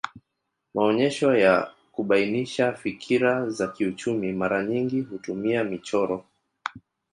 Maonyesho ya kubainisha fikira za kiuchumi mara nyingi hutumia michoro